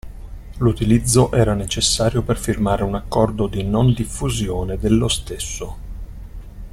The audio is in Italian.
L'utilizzo era necessario per firmare un accordo di non-diffusione dello stesso.